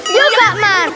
yuk kak mar